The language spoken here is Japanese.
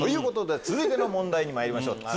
続いての問題にまいりましょう。